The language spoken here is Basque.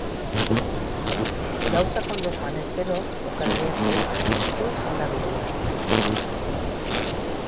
Gauzak ondo joanez gero, jokalariak bihar jasoko du senda-agiria.